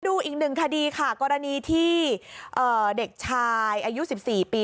ดูอีกหนึ่งคดีค่ะกรณีที่เด็กชายอายุ๑๔ปี